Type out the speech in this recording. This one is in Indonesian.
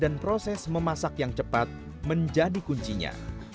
dan proses memasak yang cepat menjadi kuncinya